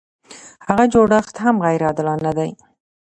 هغه جوړښت هم غیر عادلانه دی.